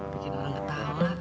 bikin orang ketawa